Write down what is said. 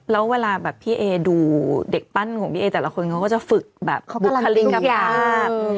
แล้วเวลาแบบพี่เอดูเด็กปั้นของพี่เอแต่ละคนเขาก็จะฝึกแบบบุคลิกภาพ